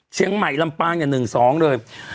เชียงใหม่ลำปางอย่างนึงเลย